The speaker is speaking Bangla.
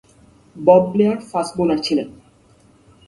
বব ব্লেয়ার ফাস্ট বোলার ছিলেন।